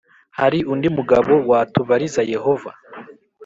hari undi mugabo watubariza Yehova